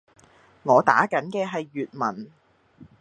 我打緊嘅係粵文